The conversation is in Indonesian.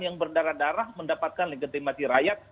yang berdarah darah mendapatkan legitimasi rakyat